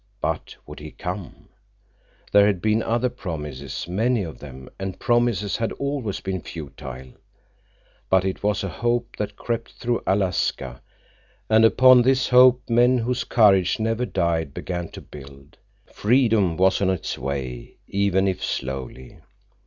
But would he come? There had been other promises, many of them, and promises had always been futile. But it was a hope that crept through Alaska, and upon this hope men whose courage never died began to build. Freedom was on its way, even if slowly.